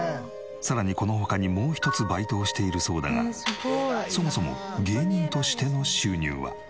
さらにこの他にもう一つバイトをしているそうだがそもそも芸人としての収入は？